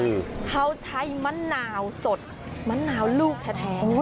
เขาใช้มะนาวสดมะนาวลูกแท้แท้